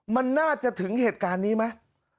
มันน่าจะถึงเหตุการณ์นี้ไหม